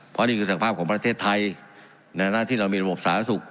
เพราะนี่คือสภาพของประเทศไทยในหน้าที่เรามีระบบสาธารณสุข